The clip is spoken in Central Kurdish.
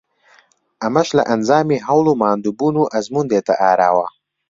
ئەمەش لە ئەنجامی هەوڵ و ماندووبوون و ئەزموون دێتە ئاراوە